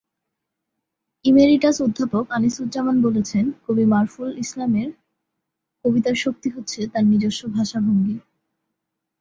Emeritus অধ্যাপক আনিসুজ্জামান বলেছেন, কবি মারুফুল ইসলামের কবিতার শক্তি হচ্ছে তাঁর নিজস্ব ভাষাভঙ্গি।